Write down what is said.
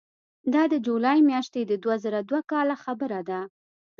دا د جولای میاشتې د دوه زره دوه کاله خبره ده.